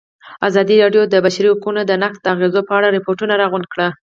ازادي راډیو د د بشري حقونو نقض د اغېزو په اړه ریپوټونه راغونډ کړي.